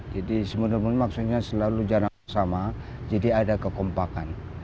jadi si mudur mudur maksudnya selalu jalan bersama jadi ada kekompakan